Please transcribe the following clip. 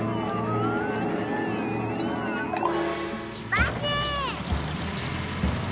バス。